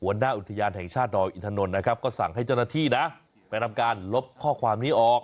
หัวหน้าอุทยานแห่งชาติดอยอินถนนนะครับก็สั่งให้เจ้าหน้าที่นะไปทำการลบข้อความนี้ออก